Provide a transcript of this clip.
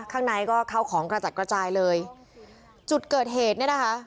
ข้างในก็เข้าของกระจัดกระจายเลยจุดเกิดเหตุเนี่ยนะคะ